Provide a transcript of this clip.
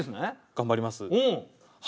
頑張ります。